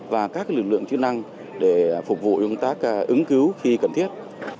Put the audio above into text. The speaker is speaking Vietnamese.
và các lực lượng chức năng để phục vụ ứng cứu khi cần thiết